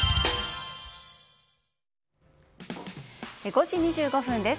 ５時２５分です。